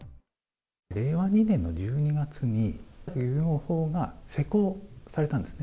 令和２年の１２月に漁業法が施行されたんですね。